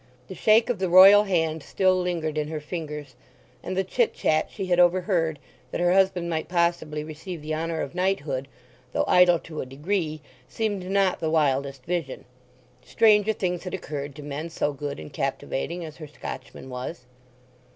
The shake of the Royal hand still lingered in her fingers; and the chit chat she had overheard, that her husband might possibly receive the honour of knighthood, though idle to a degree, seemed not the wildest vision; stranger things had occurred to men so good and captivating as her Scotchman was.